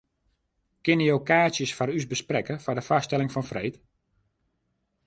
Kinne jo kaartsjes foar ús besprekke foar de foarstelling fan freed?